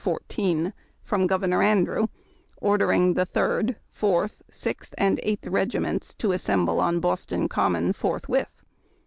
14, from Governor Andrew, ordering the Third, Fourth, Sixth, and Eighth Regiments to assemble on Boston Common forthwith.